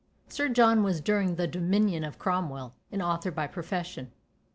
Sir John was during the dominion of Cromwell an author by profession.